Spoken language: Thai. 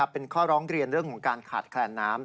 เป็นข้อร้องเรียนเรื่องของการขาดแคลนน้ำ